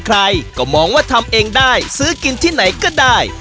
ใครก็มองว่าทำเองได้ซื้อกินที่ไหนก็ได้